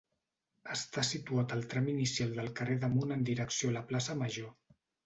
Està situat al tram inicial del carrer d'Amunt en direcció a la plaça Major.